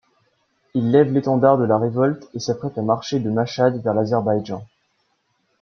Il lève l’étendard de la révolte et s’apprête à marcher de Machhad vers l’Azerbaïdjan.